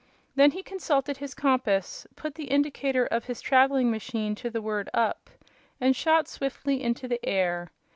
Then he consulted his compass, put the indicator of his traveling machine to the word "up," and shot swiftly into the air.